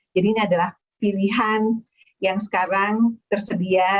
jadi ini adalah pilihan yang sekarang tersedia